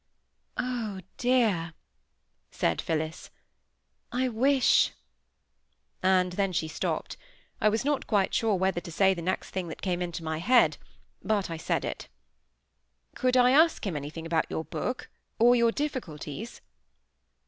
"Oh, dear!" said Phillis; "I wish—" and then she stopped. I was not quite sure whether to say the next thing that came into my mind; but I said it. "Could I ask him anything about your book, or your difficulties?"